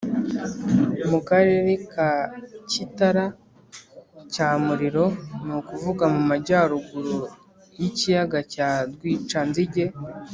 mu karere ka Kitara cya Muliro ni ukuvuga mu majyaruguru y’ikiyaga cya Rwicanzige